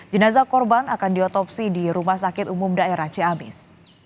jenazah korban akan diotopsi di rumah sakit umum daerah ciamis